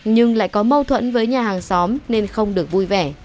nhưng lại có mâu thuẫn với nhà hàng xóm nên không được vui vẻ